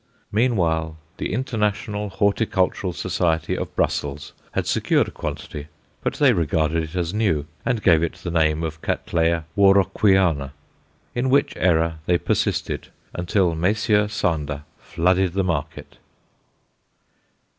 Meanwhile, the International Horticultural Society of Brussels had secured a quantity, but they regarded it as new, and gave it the name of Catt. Warocqueana; in which error they persisted until Messrs. Sander flooded the market.